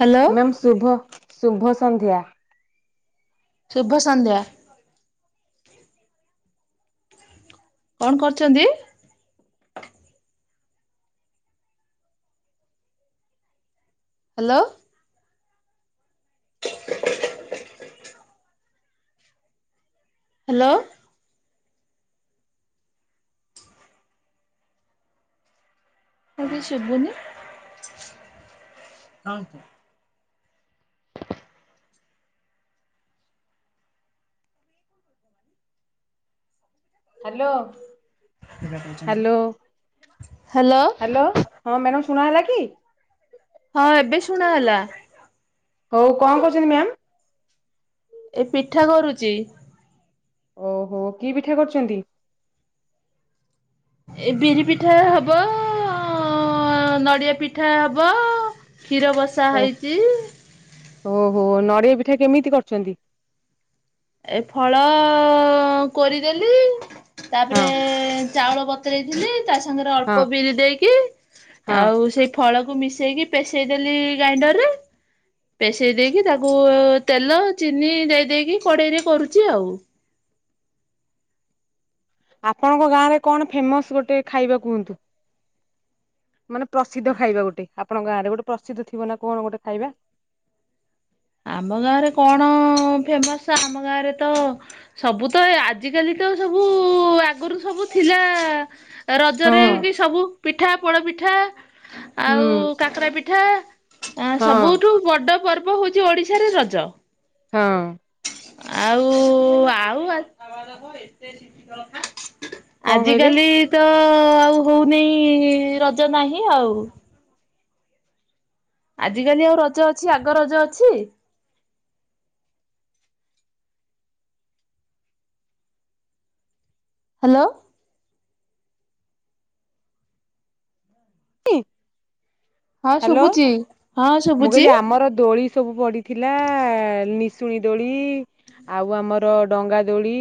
Hello ma'am ଶୁଭ ଶୁଭ ସନ୍ଧ୍ୟା। ଶୁଭ ସନ୍ଧ୍ୟା। କଣ କରୁଛନ୍ତି? ହ୍ୟାଲୋ। ହ୍ୟାଲୋ। କଣ କିଛି ଶୁଭୁନି? କଣ? ହ୍ୟାଲୋ। ହ୍ୟାଲୋ ହ୍ୟାଲୋ ହଁ ମ୍ୟାଡ଼ାମ ଶୁଣା ଗଲା କି? ହଁ ଏବେ ଶୁଣା ଗଲା। ହଉ କଣ କରହୁଛନ୍ତି ମ୍ୟାମ୍? ଏ ପିଠା କରୁଛି। ଓହୋ କି ପିଠା କରୁଛନ୍ତି? ଏ ବିରି ପିଠା ହବ ଅ ଅ ନଡ଼ିଆ ପିଠା ହବ କ୍ଷୀର ବସା ଓ ହେଇଛି। ଓହୋ, ନଡ଼ିଆ ପିଠା କେମିତି କରିଛନ୍ତି? ଏ ଫଳ କୋରିଦେଲି ହଁ ତାପରେ ଚାଉଳ ବତୁରେଇ ଥିଲି ତା ସାଙ୍ଗରେ ହଁ ଅଳ୍ପ ବିରି ଦେଇକି ହଁ ଆଉ ସେଇ ଫଳକୁ ମିଶେଇକି ପେସେଇହଲଦେଲି ଗ୍ରାଇଣ୍ଡର ରେ। ପେଷେଇ ଦେଇକି ତାକୁ ତେଲ ଚିନି ଦେଇ ଦେଇକି କଡେଇରେ କରୁଛି ଆଉ। ଆପଣଙ୍କ ଗାଁ ରେ କଣ ଫେମସ୍ ଗୋଟେ ଖାଇବା କୁହନ୍ତୁ? ମାନେ ପ୍ରସିଦ୍ଧ ଖାଇବା ଗୋଟେ ଆପଣ ଗାଁରେ ଗୋଟେ ପ୍ରସିଦ୍ଧ ଥିବ ନା କଣ ଗୋଟେ ଖାଇବା? ଆମ ଗାଁରେ କଣ ଫେମସ ଆମ ଗାଁରେ ତ ସବୁ ତ ଆଜିକାଲି ତ ସବୁ ଆଗରୁ ସବୁ ଥିଲା ହଁ ରଜରେ କି ସବୁ ପିଠା ପୋଡ ପିଠା ହୁଁ ଆଉ କାକରା ପିଠା, ହଁ ସବୁଠୁ ବଡ ପର୍ବ ହଉଛି ଓଡିଶାରେ ରଜ। ହଁ। ଆଉ ଆଉ ଆ କଣ କହିଲେ? ଆଜିକାଲି ତ ଆଉ ହଉନି ରଜ ନାହିଁ ଆଉ। ଆଜି କାଲି ଆଉ ରଜ ଅଛି ଆଗ ରଜ ଅଛି। ହ୍ୟାଲୋ। ନି ହଁ ହ୍ୟାଲୋ, ଶୁଭୁଛି ହଁ ମୁଁ ଶୁଭୁଛି କହିଲି ଆମର ଦୋଳି ସବୁ ପଡି ଥିଲା ନିଶୁଣୀ ଦୋଳି ଆଉ ଆମର ଡଙ୍ଗା ଦୋଳି।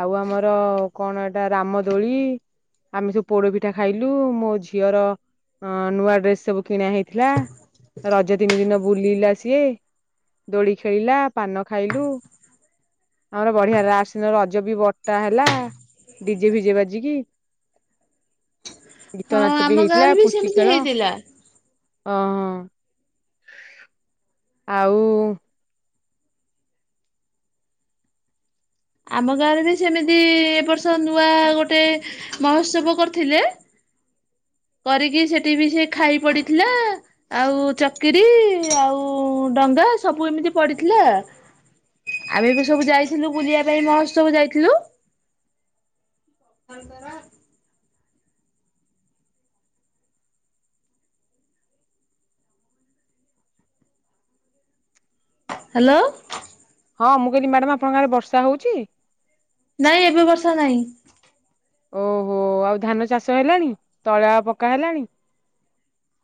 ଆଉ ଆମର କଣ ଏଇଟା ରାମଦୋଳି। ଆମେ ସବୁ ପୋଡପିଠା ଖାଇଲୁ ମୋ ଝିଅର ଅ ନୂଆ ଡ୍ରେସ ସବୁ କିଣା ହେଇଥିଲା ରଜ ତିନି ଦିନ ବୁଲିଲା ସିଏ? ଦୋଳି ଖେଳିଲା ପାନ ଖାଇଲୁ। ଆମର ବଢିଆ ଲସ୍ ଦିନ ରଜ ବି ବଟା ହେଲା। ଡିଜେ ଭିଜେ ବାଜିିକି। ଗୀତ ହଁ ନାଚ ବି ଆମ ହେଇଥିଲା ଗାଁରେ ପୁଚି ସେମିତି ଖେଳ। ହେଇଥିଲା। ଓ ହଁ ଆଉ ଆମ ଗାଁରେ ବି ସେମିତି ଏବ ବର୍ଷ ନୂଆ ଗୋଟେ ମହୋତ୍ସବ କରିଥିଲେ କରିକି ସେଠି ବି ସେ ଖାଇ ପଡିଥିଲା। ଆଉ ଚକିରିୀ ଆଉ ଡଙ୍ଗା ସବୁ ଏମିତି ପଡିଥିଲା। ଆମେ ବି ସବୁ ଯାଇଥିଲୁ ବୁଲିବା ପାଇଁ ମହୋତ୍ସବ ଯାଇଥିଲୁ। ହ୍ୟାଲୋ। ହଁ ମୁଁ କଇଲି ମ୍ୟାଡାମ ଆପଣଙ୍କ ଗାଁରେ ବର୍ଷା ହଉଛି? ନାଇଁ ଏବେ ବର୍ଷା ନାହିଁ। ଓହୋ, ଆଉ ଧାନ ଚାଷ ହେଲାଣି ତଳା ପକ୍କା ହେଲାଣି?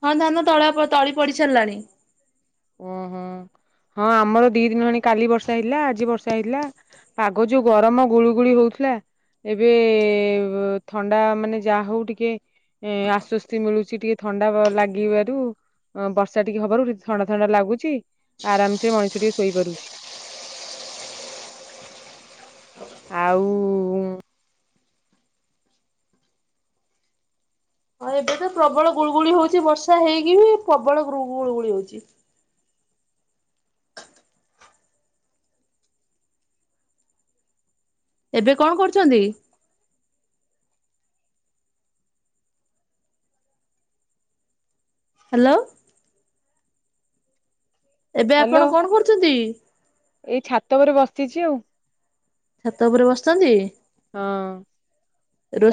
ହଁ ଧାନ ତଳା ତଳି ପଡି ସାରିଲାଣି। ଓହୋ, ହଁ ଆମର ଦି ଦିନ ହେଣି କାଲି ବର୍ଷା ହେଇଲା ଆଜି ବର୍ଷା ହେଇଥିଲା। ପାଗ ଯୋଉ ଗରମ ଗୁଳିୁ ଗୁଳି ହଉଥିଲା। ଏବେ ଥଣ୍ଡା ମାନେ ଯାହା ହଉ ଟିକେ ଏଁ ଆଶ୍ଵସ୍ତି ମିଳୁଚି ଟିକେ ଥଣ୍ଡା ଲାଗିବାରୁ ବର୍ଷା ଟିକେ ହବାରୁ ଥଣ୍ଡା ଥଣ୍ଡା ଲାଗୁଛିି ଆରାମସେ ମଣିଷ ଟିକେ ଶୋଇପାରୁଛି। ଆଉ ହଁ ଏବେ ତ ପ୍ରବଳ ଗୁଳୁଗୁଳି ହଉଛି ବର୍ଷା ହେଇକି ବି ପ୍ରବଳ ଗୁଳୁଗୁଳି ହଉଛି। ଏବେ କଣ କରୁଛନ୍ତି? ହ୍ୟାଲୋ। ଏବେ ହ୍ୟାଲୋ ଆପଣ କଣ କରୁଛନ୍ତି? ଏଇ ଛାତ ଉପରେ ବସିଛି ଆଉ। ଛାତ ଉପରେ ବସିଛନ୍ତି। ହଁ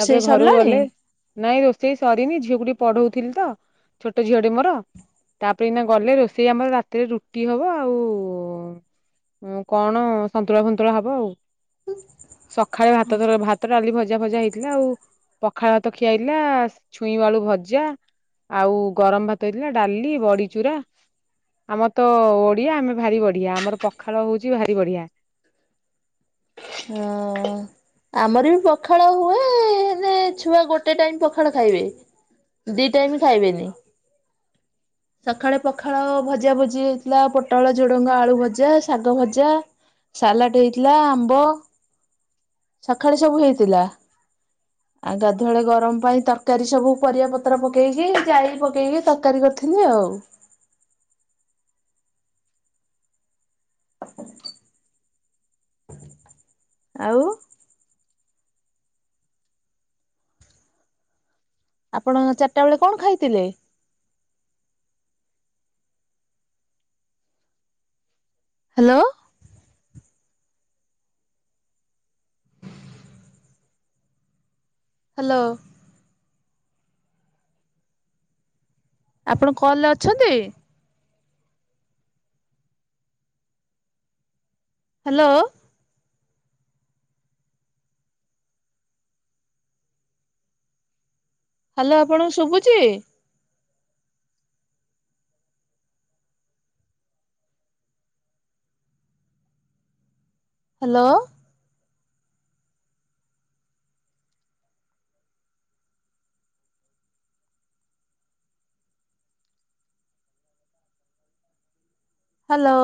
ତାପରେ ଘରକୁ ସରିଲାଣି? ଗଲେ। ନାଇଁ ରୋଷେଇ ସରିନି ଝିଅକୁ ଟିକେ ପଢଉଥିଲି ତ ଛୋଟ ଝିଅଟିେ ମୋର। ତାପରେ ଏଇନା ଗଲେ ରୋଷେଇ ଆମର ରାତିରେ ରୁଟି ହବ ଆଉ। ଆଉ କଣ ସନ୍ତୁଳା ଫନ୍ତୁଳା ହବ ଆଉ। ସଖାଳେ ଭାତ ଧର ଭାତଟଡାଲି ଭଜା ଭଜା ହେଇଚି। ଥିଲା ଆଉ ପଖାଳ ଭାତ ଖିଆଏଇଥିଲା ଛୁଇଁବାଳୁ ଭଜା। ଆଉ ଗରମ ଭାତ ହେଇଥିଲା ଡାଲି ବଡିଚୁରା ଆମର ତ ଓଡିଆ ଆମେ ଭାରି ବଢିଆ ଆମର ପଖାଳ ହଉଛି ଭାରି ବଢିଆ। ହଁ। ଆମର ବି ପଖାଳ ହୁଏ ହେ ଛୁଆ ଗୋଟେ ଟାଇମ ପଖାଳ ଖାଇବେ। ଦି ଟାଇମ୍ ଖାଇବେନି। ସଖାଳେ ପଖାଳ ଭଜା ଭଜି ହେଇଥିଲା ପୋଟଳ ଝୁଡ଼ଙ୍ଗ ଆଳୁ ଭଜା ଶାଗ ଭଜା। ସାଲାଡ ହେଇଥିଲା ଆମ୍ବ। ସକାଳେ ସବୁ ହେଇଥିଲେ। ଆଉ ଗାଧୁଆଳେ ଗରମ ପାଇଁ ତରକାରୀ ସବୁ ପରିବା ପତ୍ର ପକେଇକି ଜାଇ ପକେଇକି ତରକାରୀ କରିଥିଲି ଆଉ। ଆଉ ଆପଣ ଚାରିଟା ବେଳେ କଣ ଖାଇଥିଲେ? ହ୍ୟାଲୋ। ହ୍ୟାଲୋ। ଆପଣ କଲ୍ରେ ଅଛନ୍ତି? ହ୍ୟାଲୋ। ହ୍ୟାଲୋ ଆପଣଙ୍କୁ ଶୁଭୁଛି? ହ୍ୟାଲୋ। ହ୍ୟାଲୋ।